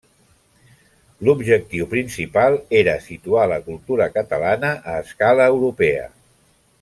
L'objectiu principal era situar la cultura catalana a escala europea.